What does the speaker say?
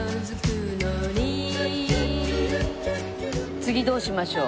次どうしましょう？